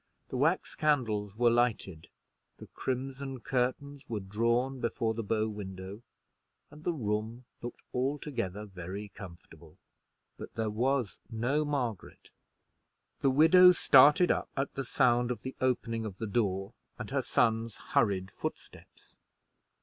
The wax candles were lighted, the crimson curtains were drawn before the bow window, and the room looked altogether very comfortable: but there was no Margaret. The widow started up at the sound of the opening of the door and her son's hurried footsteps.